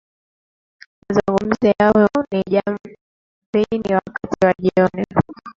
Mazungumzo yao ni Jamvini wakati wa jioni